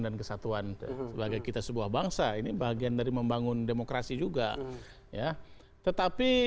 dan kesatuan sebagai kita sebuah bangsa ini bagian dari membangun demokrasi juga ya tetapi